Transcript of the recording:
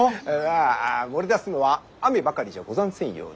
あ漏れ出すのは雨ばかりじゃござんせんようで。